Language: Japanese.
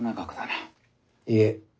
いえ。